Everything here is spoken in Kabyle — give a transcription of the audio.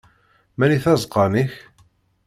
Mani tazeqqa-nnek?